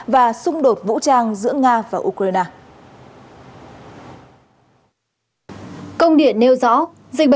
và xung đột vũ trang giữa nga và ukraine